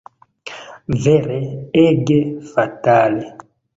Vere, ege fatale!